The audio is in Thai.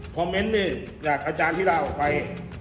คอมเมนต์นี่กับอาจารย์ธิร่าออกไป